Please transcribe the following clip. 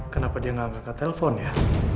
kenapa dia gak angkat telepon ya